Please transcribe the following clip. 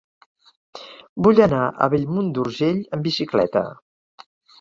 Vull anar a Bellmunt d'Urgell amb bicicleta.